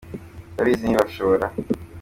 ndabizi ntibabishobora.